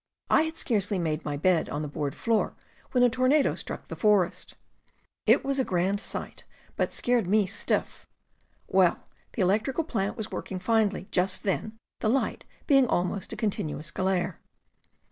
I had scarcely made my bed on the board floor when a tornado struck the forest. It was a grand sight, but scared me stiff. Well, the electric plant was working finely, just then, the lightning being almost a continuous glare.